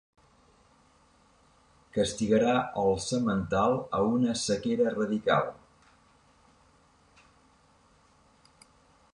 Castigarà el semental a una sequera radical.